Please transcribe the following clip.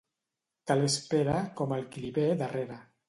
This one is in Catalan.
Tal és Pere com el qui li ve darrere.